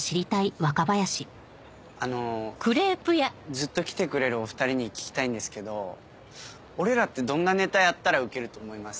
ずっと来てくれるお２人に聞きたいんですけど俺らってどんなネタやったらウケると思います？